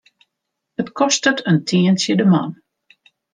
It kostet in tientsje de man.